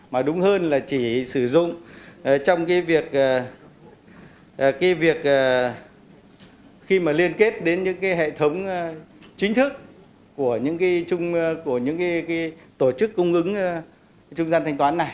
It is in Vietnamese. mà đúng hơn là chỉ sử dụng trong cái việc khi mà liên kết đến những cái hệ thống chính thức của những cái tổ chức cung ứng trung gian thanh toán này